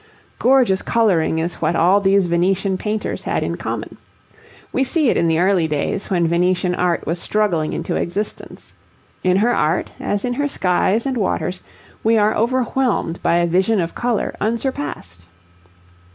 Gorgeous colouring is what all these Venetian painters had in common. We see it in the early days when Venetian art was struggling into existence. In her art, as in her skies and waters, we are overwhelmed by a vision of colour unsurpassed.